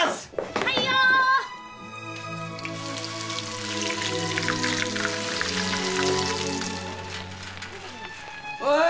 はいよ・おい